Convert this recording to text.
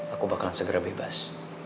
aku bakalan segera bebas